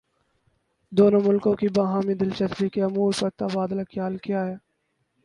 دونوں ملکوں کی باہمی دلچسپی کے امور پر تبادلہ خیال کیا ہے